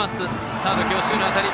サード強襲の当たり。